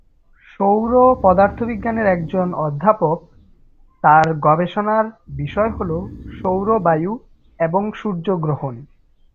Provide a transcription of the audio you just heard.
সৌর পদার্থবিজ্ঞানের একজন অধ্যাপক, তার গবেষণার বিষয় হল সৌর বায়ু এবং সূর্যগ্রহণ।